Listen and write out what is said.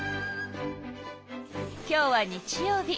今日は日曜日。